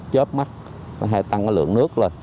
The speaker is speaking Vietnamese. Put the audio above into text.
chớp mắt hay tăng lượng nước lên